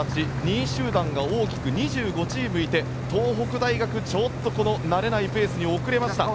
２位集団が大きく２５チームいて東北大学ちょっと慣れないペースに遅れました。